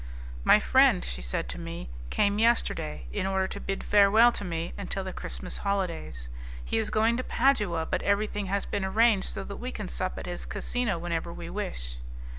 "My friend," she said to me, "came yesterday in order to bid farewell to me until the Christmas holidays. He is going to Padua, but everything has been arranged so that we can sup at his casino whenever we wish."